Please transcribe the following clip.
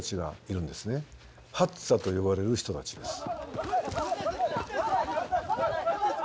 ハッザと呼ばれる人たちです。